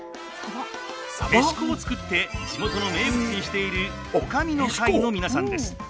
へしこを作って地元の名物にしている女将の会の皆さんです。